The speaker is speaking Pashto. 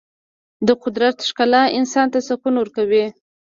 د قدرت ښکلا انسان ته سکون ورکوي.